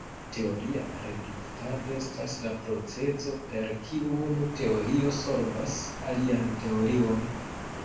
Teoria reduktado estas la procezo per kiu unu teorio sorbas alian teorion.